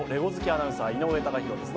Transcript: アナウンサー井上貴博です